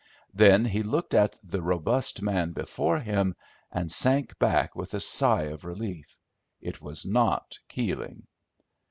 Then he looked at the robust man before him, and sank back with a sigh of relief. It was not Keeling.